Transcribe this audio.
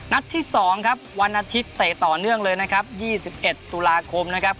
นัดที่๒ครับวันอาทิตย์เตะต่อเนื่องเลยนะครับ๒๑ตุลาคมนะครับ